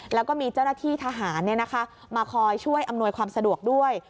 แล้วก็มีเจ้าหน้าที่ทหารมาคอยช่วยอำนวยความสะดวกด้วย